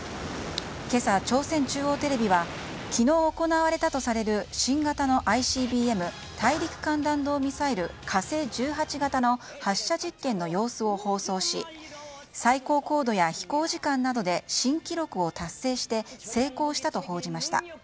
今朝、朝鮮中央テレビは昨日行われたとされる新型のＩＣＢＭ・大陸間弾道ミサイル「火星１８型」の発射実験の様子を放送し最高高度や飛行時間などで新記録を達成して成功したと報じました。